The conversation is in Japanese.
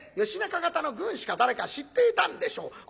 義仲方の軍師か誰か知っていたんでしょう。